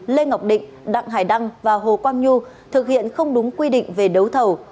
lê ngọc định đặng hải đăng và hồ quang nhu thực hiện không đúng quy định về đấu thầu